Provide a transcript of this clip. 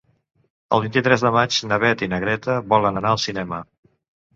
El vint-i-tres de maig na Beth i na Greta volen anar al cinema.